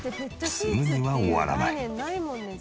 すぐには終わらない。